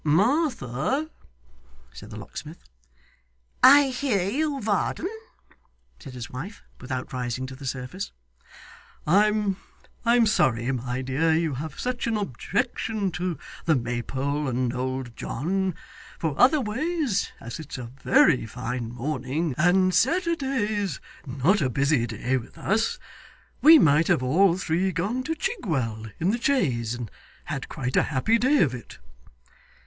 'Martha ' said the locksmith. 'I hear you, Varden,' said his wife, without rising to the surface. 'I am sorry, my dear, you have such an objection to the Maypole and old John, for otherways as it's a very fine morning, and Saturday's not a busy day with us, we might have all three gone to Chigwell in the chaise, and had quite a happy day of it.